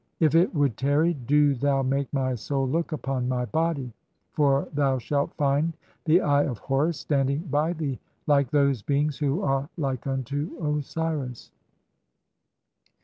1 "If it would (6) tarry, do thou make my soul to look upon my "body, 2 for thou shalt find the Eye of Horus standing by thee "(7) like those [beings who are like unto Osiris].